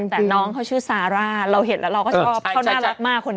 แต่น้องเขาชื่อซาร่าเราเห็นแล้วเราก็ชอบเขาน่ารักมากคนนี้